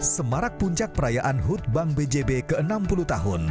semarak puncak perayaan hut bank bjb ke enam puluh tahun